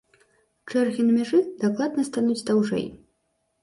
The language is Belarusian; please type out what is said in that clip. Чэргі на мяжы дакладна стануць даўжэй.